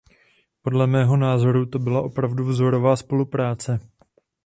Podle mého názoru to byla opravdu vzorová spolupráce.